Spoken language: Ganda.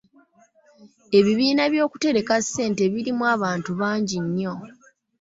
Ebibiina by'okutereka ssente birimu abantu bangi nnyo.